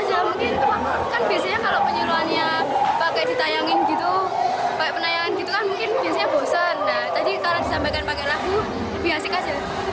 nah tadi kalau disampaikan pakai lagu biasa aja